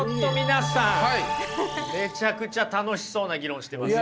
めちゃくちゃ楽しそうな議論してますね。